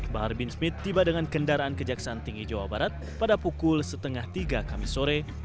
bahar bin smith tiba dengan kendaraan kejaksaan tinggi jawa barat pada pukul setengah tiga kami sore